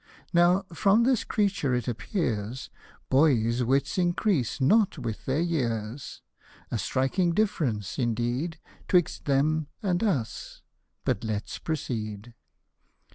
Now, from this creature it appears Boys' wits increase not with their years ; A striking difference, indeed, 'Twixt them and us, but let's proceed.